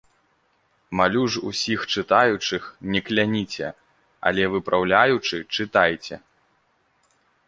Малю ж усіх чытаючых, не кляніце, але выпраўляючы чытайце.